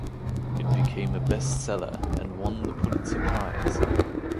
It became a best-seller and won the Pulitzer Prize.